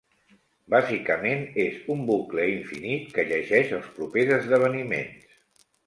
Bàsicament és un bucle infinit que llegeix els propers esdeveniments.